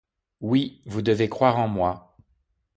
Oui, vous devez croire en moi.